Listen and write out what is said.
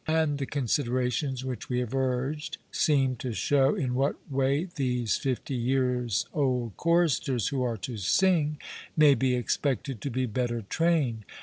And the considerations which we have urged seem to show in what way these fifty years' old choristers who are to sing, may be expected to be better trained.